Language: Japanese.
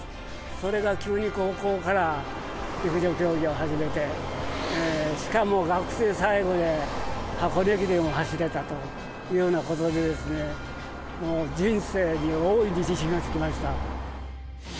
それが急に高校から陸上競技を始めて、しかも学生最後で箱根駅伝を走れたというようなことで、もう人生に大いに自信がつきました。